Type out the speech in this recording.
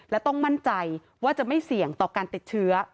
และต้องมั่นใจว่าจะไม่เสี่ยงต่อการติดเชื้อ